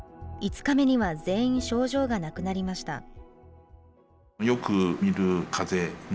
５日目には全員症状がなくなりました。